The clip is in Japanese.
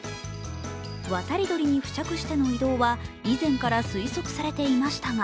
渡り鳥に付着しての移動は以前から推測されていましたが